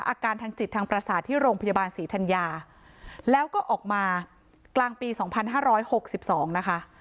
อาการทางจิตทางประสาทที่โรงพยาบาลศรีธรรยาแล้วก็ออกมากลางปีสองพันห้าร้อยหกสิบสองนะคะ